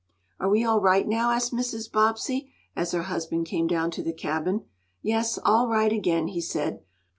"Are we all right now?" asked Mrs. Bobbsey, as her husband came down to the cabin. "Yes, all right again," he said.